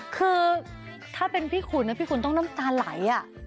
คือถ้าเป็นพี่ขุนพี่คุณต้องน้ำตาไหล